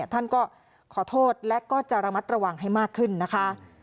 ท่านก็ขอโทษและก็จะระมัดระวังให้มากขึ้นนะคะ